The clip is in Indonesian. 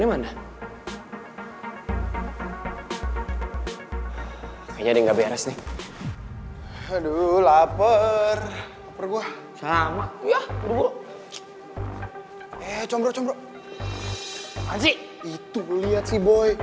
eh dede ngumpulin tugas belum lu